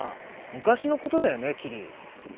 昔のことだよねキリ。